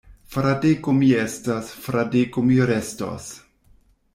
Fradeko mi estas; Fradeko mi restos.